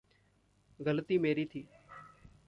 गलती मेरी थी।